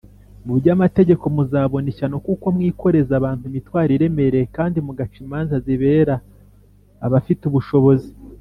mu by; Amategeko muzabona ishyano kuko mwikoreza abantu imitwaro iremereye kdi mugaca imanza zibera abafite ubushobozi.